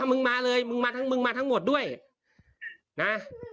มึงมาเลยมึงมาทั้งมึงมาทั้งหมดด้วยนะ